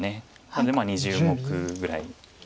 なので２０目ぐらい。